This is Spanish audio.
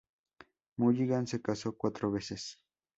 Mulligan se casó cuatro veces.